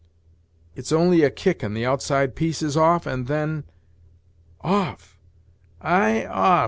"It's only a kick, and the outside piece is off, and then " "Off! ay, off!"